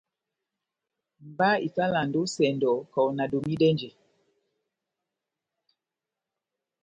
Mba ikalandi ó esɛndɔ kaho nadomidɛnjɛ.